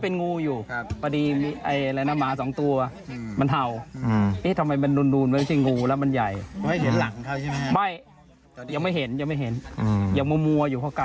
ลูกหน้ามันกระมุดไปทางโน้นแล้วเสียงมันดังเหมือนงูเห่า